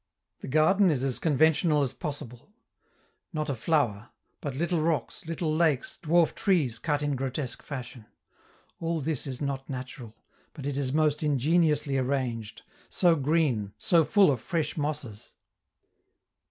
The garden is as conventional as possible: not a flower, but little rocks, little lakes, dwarf trees cut in grotesque fashion; all this is not natural, but it is most ingeniously arranged, so green, so full of fresh mosses!